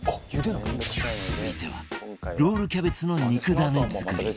続いてはロールキャベツの肉ダネ作り